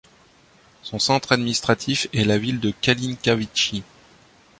Son centre administratif est la ville de Kalinkavitchy.